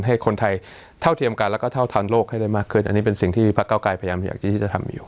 ให้คนไทยเท่าเทียมกันแล้วก็เท่าทันโลกให้ได้มากขึ้นอันนี้เป็นสิ่งที่พระเก้าไกรพยายามอยากที่จะทำอยู่